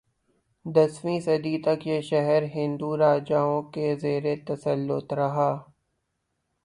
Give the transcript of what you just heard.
دسویں صدی تک یہ شہر ہندو راجائوں کے زیرتسلط رہا